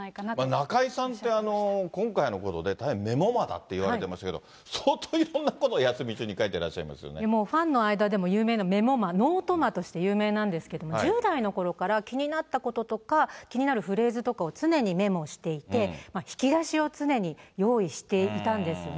中居さんって今回のことで大変メモ魔だっていわれていましたけれども、相当、いろんなことを休み中に書いてらっしゃいますよもうファンの間でも有名なメモ魔、ノート魔として有名なんですけれども、１０代のころから気になったこととか、気になるフレーズとかを常にメモしていて、引き出しを常に用意していたんですね。